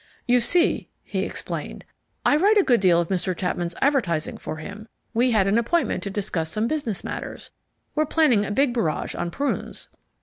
"You see," he explained, "I write a good deal of Mr. Chapman's advertising for him. We had an appointment to discuss some business matters. We're planning a big barrage on prunes."